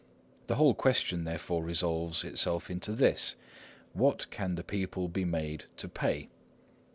The whole question therefore resolves itself into this, What can the people be made to pay?